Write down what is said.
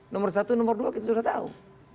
nomor satu nomor dua kita sudah tahu